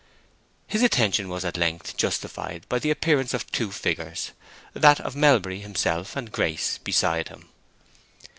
His attention was at length justified by the appearance of two figures, that of Mr. Melbury himself, and Grace beside him.